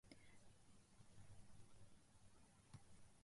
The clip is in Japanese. これは浅野家で伝えられてきた「太閤様御覚書」に記されています。